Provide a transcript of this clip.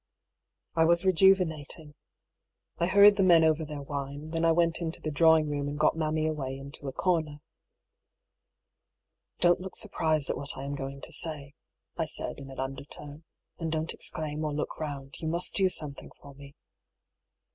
I was rejuvenating, I hurried the men over their wine. Then I went into the drawing room and got mammy away into a corner. " Don't look surprised at what I am going to say," I said in an undertone. ^' Aiid don't exclaim, or look round. You must do something for me."